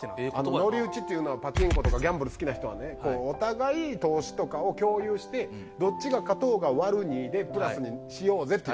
ノリ打ちっていうのはパチンコとかギャンブル好きな人はねお互い投資とかを共有してどっちが勝とうが割る２でプラスにしようぜっていう。